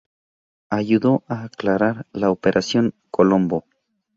Ayudó a aclarar la Operación Colombo.